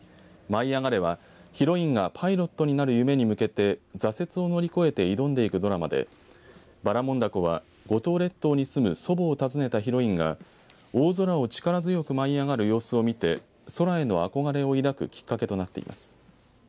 舞いあがれ！はヒロインがパイロットになる夢に向けて挫折を乗り越えて挑んでいくドラマでばらもんだこは五島列島に住む祖母を訪ねたヒロインが大空を力強く舞い上がる様子を見て空への憧れを抱くきっかけとなっています。